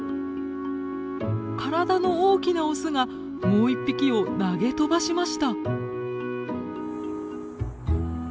体の大きなオスがもう一匹を投げ飛ばしました。